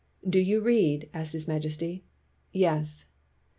"Do you read?" asked his majesty. "Yes."